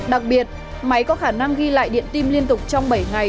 đặc biệt máy có khả năng ghi lại điện tim liên tục trong bảy ngày